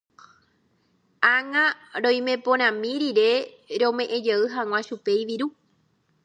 Ág̃a roimeporãmi rire rome'ẽjey hag̃ua chupe iviru.